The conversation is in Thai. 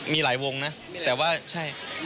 มีหลายวงนะแต่ว่าใช่